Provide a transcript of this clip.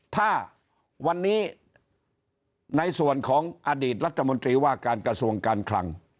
ถ้าวันนี้ในส่วนของอดีตรัฐมนตรีว่าการกระทรวงการคลัง